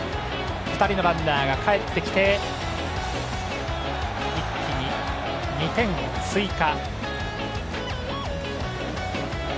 ２人のランナーがかえってきて一気に２点を追加。